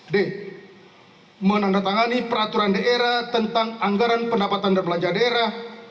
d menandatangani peraturan daerah tentang anggaran pendapatan dan belanja daerah